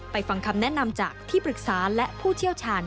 ฟังคำแนะนำจากที่ปรึกษาและผู้เชี่ยวชาญ